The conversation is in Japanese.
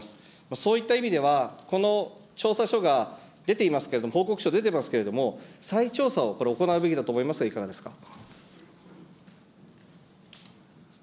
そういった意味では、この調査書が、出ていますけれども、報告書出ていますけれども、再調査をこれ、行うべきだと思いますがいかがですか。